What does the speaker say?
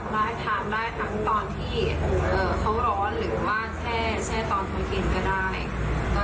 ได้ทานได้ทั้งตอนที่เขาร้อนหรือว่าแช่ตอนเขากินก็ได้